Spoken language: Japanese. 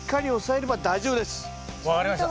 分かりました。